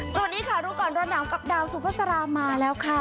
สวัสดีค่ะรู้ก่อนร้อนหนาวกับดาวสุภาษามาแล้วค่ะ